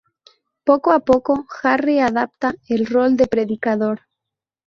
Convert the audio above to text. Poco a poco, Harry adopta el rol de predicador.